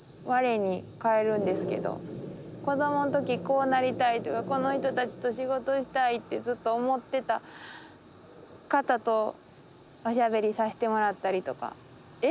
子供の時こうなりたいとかこの人たちと仕事したいってずっと思ってた方とおしゃべりさせてもらったりとか「え！